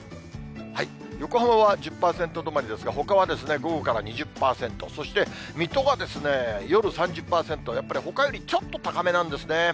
横浜は１０％止まりですが、ほかは午後から２０％、そして水戸は夜３０％、やっぱりほかよりちょっと高めなんですね。